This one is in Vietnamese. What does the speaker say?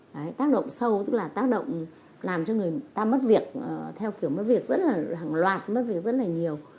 đấy tác động sâu tức là tác động làm cho người ta mất việc theo kiểu mất việc rất là hàng loạt mất việc rất là nhiều